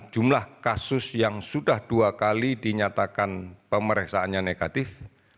jumlah kasus yang sudah dua kali dinyatakan pemeriksaannya negatif